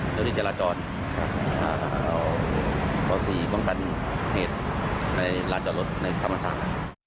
เจ้าที่จะราจรขอสี่เบื้องต้นเหตุในร้านจอดรถในธรรมศาล